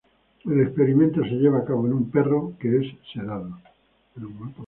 El experimento se lleva a cabo en un perro, que es sedado.